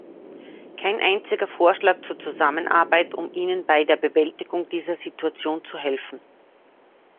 Kein einziger Vorschlag zur Zusammenarbeit, um ihnen bei der Bewältigung dieser Situation zu helfen.